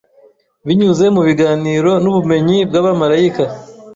binyuze mubiganiro nubumenyi bwabamarayika